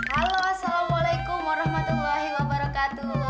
halo wassalamualaikum warahmatullahi wabarakatuh